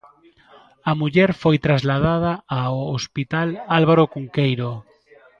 A muller foi trasladada ao Hospital Álvaro Cunqueiro.